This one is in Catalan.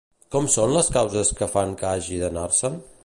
Com són les causes que fan que hagi d'anar-se'n?